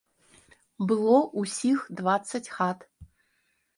Было ўсіх дваццаць хат.